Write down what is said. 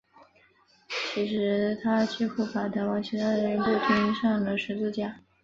其实他几乎把台湾其他的人都钉上了十字架。